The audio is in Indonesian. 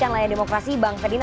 tapi lah ya demokrasi